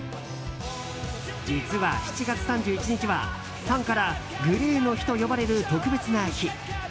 実は７月３１日はファンからＧＬＡＹの日と呼ばれる特別な日。